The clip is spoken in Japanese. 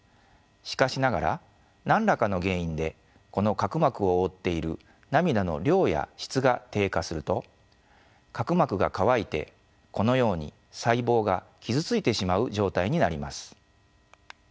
しかしながら何らかの原因でこの角膜を覆っている涙の量や質が低下すると角膜が乾いてこのように細胞が傷ついてしまう状態になります。